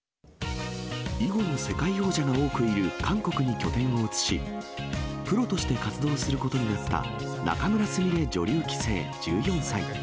囲碁の世界王者が多くいる韓国に拠点を移し、プロとして活動することになった仲邑菫女流棋聖１４歳。